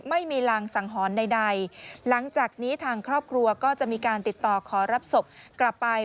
ไม่มีรังสังหรณ์ใดหลังจากนี้ทางครอบครัวก็จะมีการติดต่อขอรับศพกลับไป